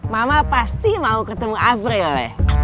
mama pasti mau ketemu afril ya